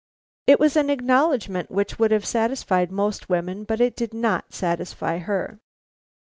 It was an acknowledgment which would have satisfied most women, but it did not satisfy her.